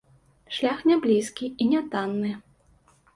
Шлях няблізкі і нятанны.